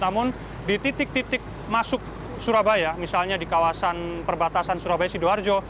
namun di titik titik masuk surabaya misalnya di kawasan perbatasan surabaya sidoarjo